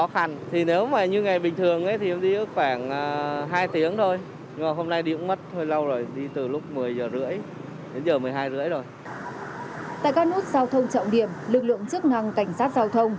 tại các nút giao thông trọng điểm lực lượng chức năng cảnh sát giao thông